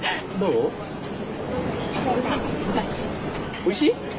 おいしい？